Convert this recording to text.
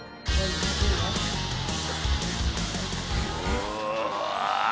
うわ。